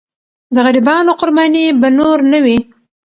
د غریبانو قرباني به نور نه وي.